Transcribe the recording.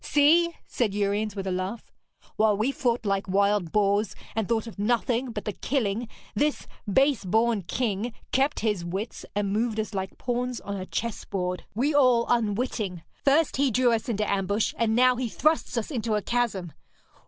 'See!' said Uriens, with a laugh, 'while we fought like wild boars, and thought of nothing but the killing, this base born king kept his wits and moved us like pawns on a chessboard, we all unwitting. First, he drew us into ambush, and now he thrusts us into a chasm.